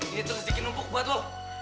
ini terus bikin empuk banget lo